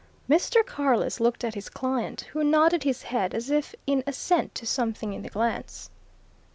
Mr. Carless looked at his client, who nodded his head as if in assent to something in the glance.